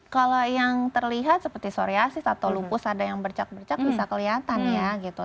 kalau yang terlihat seperti psoriasis atau lupus ada yang bercak bercak bisa kelihatan ya gitu